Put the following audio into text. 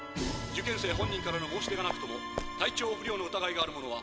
受験生本人の申し出がなくとも体調不良の疑いがある者は。